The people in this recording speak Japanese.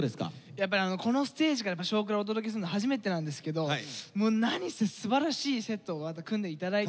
やっぱりこのステージから「少クラ」お届けするの初めてなんですけどもう何せすばらしいセットを組んで頂いて。